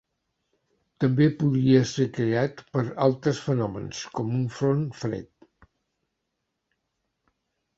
També podria ser creat per altres fenòmens, com un front fred.